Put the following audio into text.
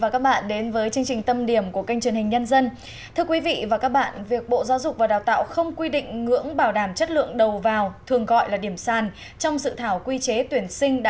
cảm ơn các bạn đã theo dõi